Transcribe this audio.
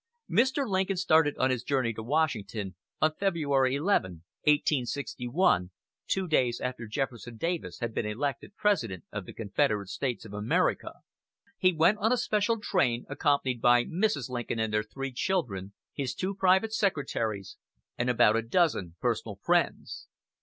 Mr. Lincoln started on his journey to Washington on February 11, 1861 two days after Jefferson Davis had been elected President of the Confederate States of America. He went on a special train, accompanied by Mrs. Lincoln and their three children, his two private secretaries, and about a dozen personal friends.